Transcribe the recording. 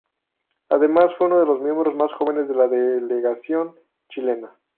Además, fue uno de los miembros más jóvenes de la delegación chilena.